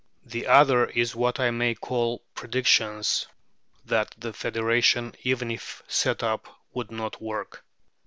The other is what I may call predictions that the federation even if set up would not work.